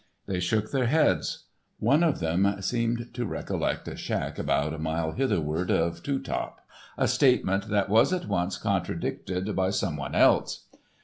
They shook their heads. One of them seemed to recollect a "shack" about a mile hitherward of Two Top, a statement that was at once contradicted by someone else.